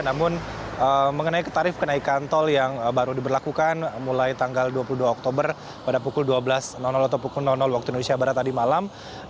namun mengenai tarif kenaikan tol yang baru diberlakukan mulai tanggal dua puluh dua oktober pada pukul dua belas atau pukul waktu indonesia barat tadi malam